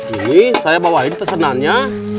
ini saya bawain pesenannya